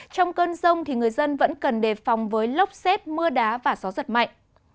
trong cơn rông người dân vẫn cần đề phòng với lốc xét mưa đá và gió giật mạnh